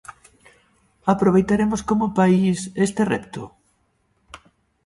Aproveitaremos como País este repto?